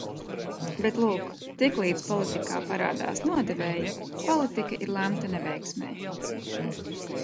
Bet, lūk, tiklīdz politikā parādās nodevēji, politika ir lemta neveiksmei.